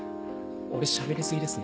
俺しゃべり過ぎですね。